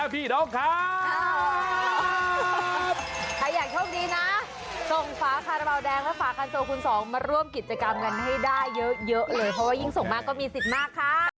โปรดติดตามตอนต่อไป